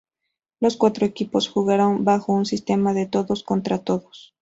Los cuatro equipos jugaron bajo un sistema de todos contra todos.